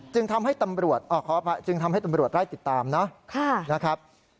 จึงทำให้ตำรวจได้ติดตามนะนะครับ